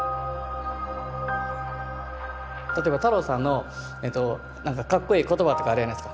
例えば太郎さんのなんかかっこいい言葉とかあるやないですか。